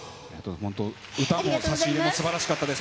本当、歌も差し入れもすばらしかったです。